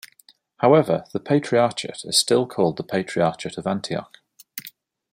However, the patriarchate is still called the Patriarchate of Antioch.